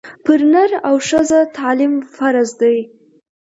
پر نر او ښځه تعلیم فرض دی